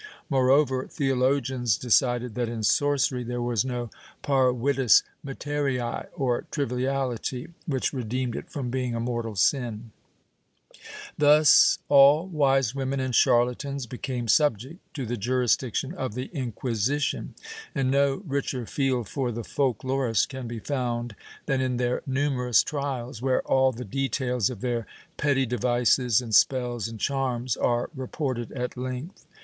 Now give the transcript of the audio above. ^ Moreover, theologians decided that in sorcery there was no parvitas materia;, or triviahty, which redeemed it from being a mortal sin,^ Thus all wise women and charlatans became subject to the jurisdiction of the Inquisition, and no richer field for the folk lorist can be found than in their numerous trials, where all the details of their petty devices and spells and charms are reported at length.